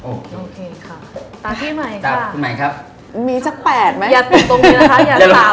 โอเคค่ะ